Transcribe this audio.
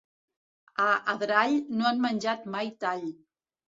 A Adrall no han menjat mai tall.